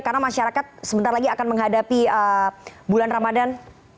karena masyarakat sebentar lagi akan menghadapi bulan ramadhan